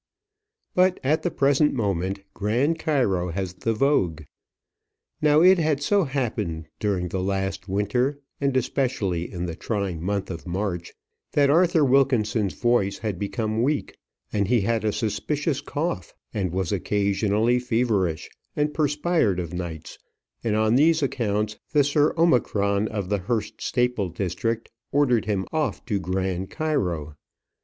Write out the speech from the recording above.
But at the present moment, Grand Cairo has the vogue. Now it had so happened during the last winter, and especially in the trying month of March, that Arthur Wilkinson's voice had become weak; and he had a suspicious cough, and was occasionally feverish, and perspired o'nights; and on these accounts the Sir Omicron of the Hurst Staple district ordered him off to Grand Cairo.